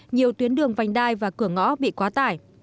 nhiều tuyến đường vành đai và cửa ngõ bị quá tải